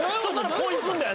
こう行くんだよ。